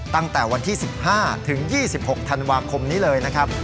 ตั้งแต่วันที่๑๕ถึง๒๖ธันวาคมนี้เลยนะครับ